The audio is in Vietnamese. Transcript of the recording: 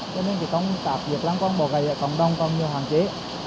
cho nên thì công tác việc lăng quăng bỏ gậy ở cộng đồng còn nhiều hoàn chế